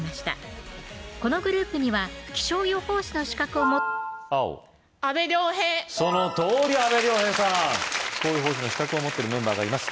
このグループには気象予報士の資格を持っ青阿部亮平そのとおり阿部亮平さん気象予報士の資格を持っているメンバーがいます